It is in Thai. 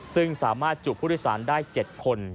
ซึ่งสามารถจุผู้โดยสารได้๗คน